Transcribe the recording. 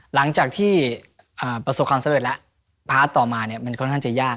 หลังจากที่ประสบความเสลิมและพาร์ทต่อมาเป็นค่อนข้างจะยาก